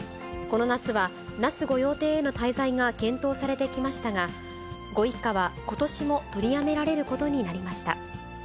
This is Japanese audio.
この夏は那須御用邸への滞在が検討されてきましたが、ご一家は、ことしも取りやめられることになりました。